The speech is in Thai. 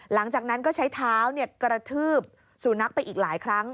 หลังจากนั้นก็ใช้เท้ากระทืบสูนักไปอีกหลายครั้ง